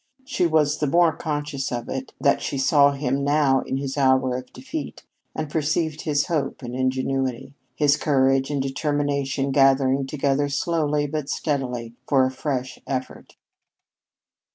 She was the more conscious of it that she saw him now in his hour of defeat and perceived his hope and ingenuity, his courage and determination gathering together slowly but steadily for a fresh effort.